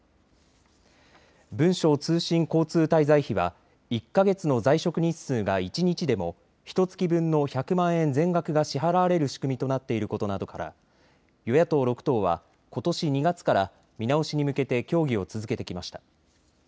文書通信交通滞在費は１か月の在職日数が１日でもひとつき分の１００万円全額が支払われる仕組みとなっていることなどから与野党６党はことし２月から見直しに向けて協議を続けてきました。